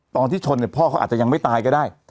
ตอนที่ชนเนี่ยพ่อเขาอาจจะยังไม่ตายก็ได้